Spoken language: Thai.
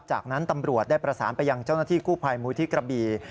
จากนั้นตำรวจได้ประสานไปยังเจ้าหน้าที่กู้ภัยมูลที่กระบี